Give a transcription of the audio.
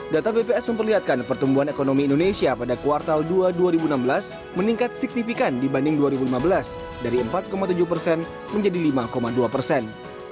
data bps memperlihatkan pertumbuhan ekonomi indonesia pada kuartal dua dua ribu enam belas meningkat signifikan dibanding dua ribu lima belas dari empat tujuh persen menjadi lima dua persen